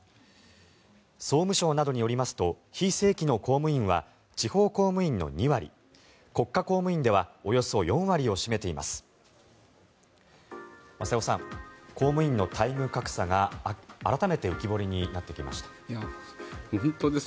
総務省などによりますと非正規の公務員は地方公務員の２割国家公務員ではおよそ４割を占めています。